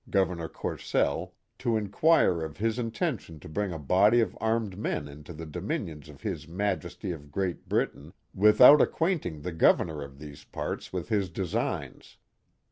Gover nor Courcelle, to inquire of his intention to bring a body of armed men into the dominions of his Majesty of Great Britain without acquainting the Governor of these parts with his designs.